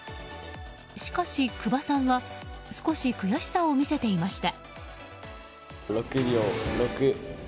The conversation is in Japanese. しかし、久場さんは少し悔しさを見せていました。